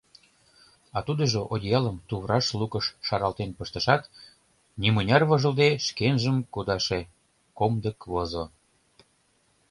А тудыжо одеялым тувраш лукыш шаралтен пыштышат, нимыняр вожылде, шкенжым кудаше, комдык возо.